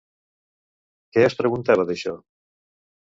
Què es preguntava d'això?